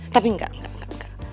tapi enggak enggak enggak